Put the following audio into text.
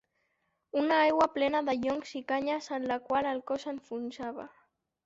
Una aigua plena de joncs i canyes en la qual el cos s'enfonsava